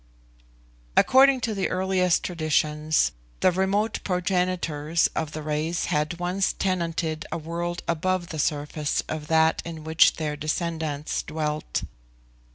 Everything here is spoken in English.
According to the earliest traditions, the remote progenitors of the race had once tenanted a world above the surface of that in which their descendants dwelt.